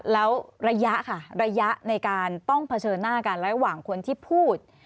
แล้วระยะค่ะระยะในการต้องเผชิญหน้ากันระหว่างคนที่พูด